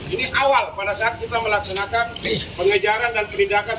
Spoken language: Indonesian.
ini awal pada saat kita melaksanakan pengejaran dan penindakan